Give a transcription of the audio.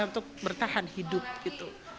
untuk bertahan hidup gitu